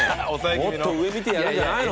もっと上見てやるんじゃないの？